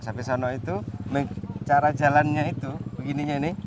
sapi sono itu cara jalannya itu begininya ini